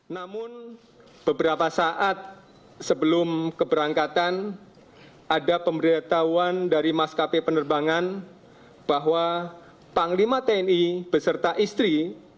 namun beberapa saat sebelum keberangkatan ada pemberitahuan dari maskapai penerbangan bahwa panglima tni beserta istri